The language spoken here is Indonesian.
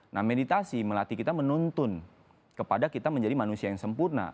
nah meditasi melatih kita menuntun kepada kita menjadi manusia yang sempurna